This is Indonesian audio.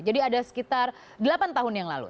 jadi ada sekitar delapan tahun yang lalu